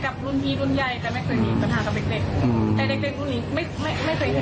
แต่ไม่เคยมีปัญหากับเด็กอืมแต่เด็กเด็กพวกนี้ไม่ไม่ไม่เคยเห็นมา